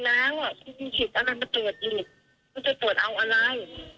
รับไหมยุ่งยุ่งวายเนี้ยแค่เจ๋อแถวนี้